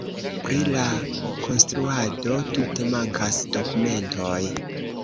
Pri la konstruado tute mankas dokumentoj.